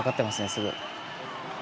すぐ。